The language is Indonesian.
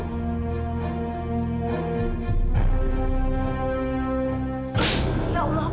ya allah pak